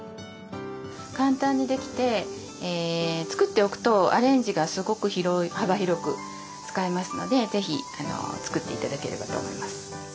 簡単にできて作っておくとアレンジがすごく幅広く使えますので是非作って頂ければと思います。